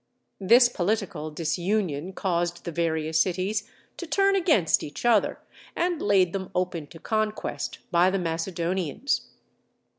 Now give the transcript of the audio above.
This political disunion caused the various cities to turn against each other, and laid them open to conquest by the Macedonians.